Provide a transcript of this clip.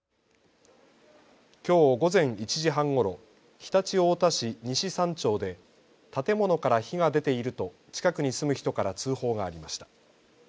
きょう午前１時半ごろ常陸太田市西三町で建物から火が出ていると近くに住む人から通報がありました。